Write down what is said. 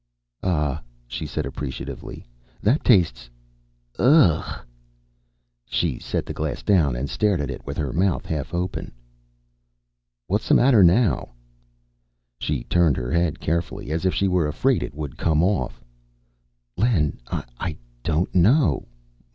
"Ah," she said appreciatively. "That tastes Ugh." She set the glass down and stared at it with her mouth half open. "What's the matter now?" She turned her head carefully, as if she were afraid it would come off. "Len, I don't know.